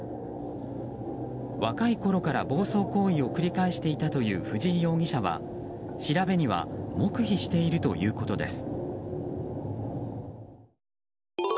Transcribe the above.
若いころから暴走行為を繰り返していたという藤井容疑者は調べには黙秘しているということです。